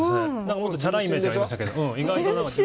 もっと、ちゃらいイメージがありましたけど。